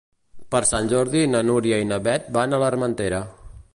Per Sant Jordi na Núria i na Beth van a l'Armentera.